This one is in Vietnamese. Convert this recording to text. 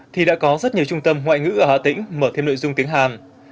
thì đã có rất nhiều trung tâm ngoại ngữ ở hà tĩnh mở thêm nội dung tiếng hàn